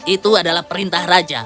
itu adalah perintah raja